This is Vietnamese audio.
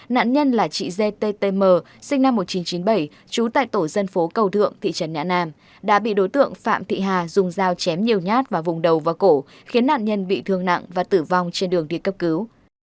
nạn nhân là chị gttm sinh năm một nghìn chín trăm chín mươi bảy trú tại tổ dân phố cầu thượng thị trấn nhạm đã bị đối tượng phạm thị hà dùng dao chém nhiều nhát vào vùng đầu và cổ khiến nạn nhân bị thương nặng và tử vong trên đường đi cấp cứu